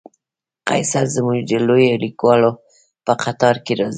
قیصر زموږ د لویو لیکوالو په قطار کې راځي.